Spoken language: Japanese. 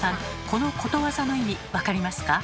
このことわざの意味分かりますか？